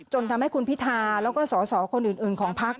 จนทำให้คุณพิธาแล้วก็สอสอคนอื่นของพัก